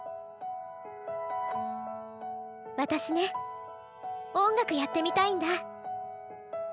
私ね音楽やってみたいんだ。